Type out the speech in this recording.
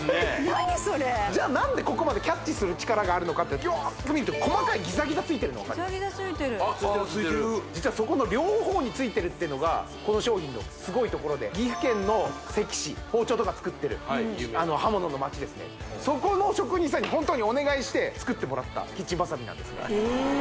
何それじゃ何でここまでキャッチする力があるのかってよく見ると細かいギザギザついてるのギザギザついてるついてる実はそこの両方についてるっていうのがこの商品のすごいところで岐阜県の関市包丁とか作ってるはい有名刃物の町ですねそこの職人さんに本当にお願いして作ってもらったキッチンバサミなんですえっ